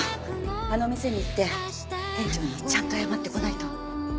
あの店に行って店長にちゃんと謝ってこないと。